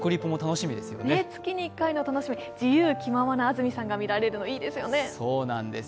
月に１回の楽しみ、自由気ままな安住さんが見られるのはいいですよね。